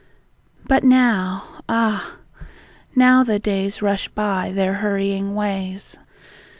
But now! Ah, now, the days Rush by their hurrying ways!